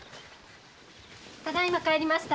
ただいま帰りました。